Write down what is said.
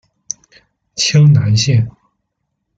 清南线